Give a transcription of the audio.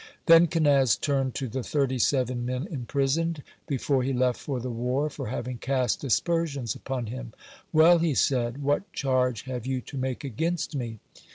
Then Kenaz turned to the thirty seven men imprisoned, before he left for the war, for having cast aspersions upon him. "Well," he said, "what charge have you to make against me?"